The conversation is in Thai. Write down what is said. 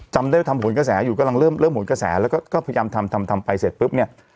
ทำผลกระแสอยู่กำลังเริ่มหนกระแสแล้วก็พยายามทำทำไปเสร็จปุ๊บเนี่ย